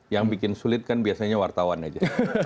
yang bikin sulit kan biasanya wartawan aja